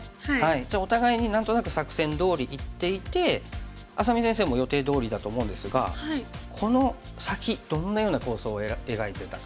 じゃあお互いに何となく作戦どおりいっていて愛咲美先生も予定どおりだと思うんですがこの先どんなような構想を描いていたか。